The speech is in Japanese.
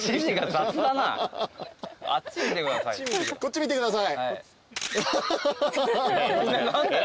こっち見てください。